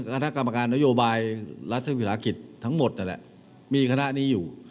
คณะกรรมการนโยบายรัฐวิรากิจทั้งหมดนั่นแหละมีคณะนี้อยู่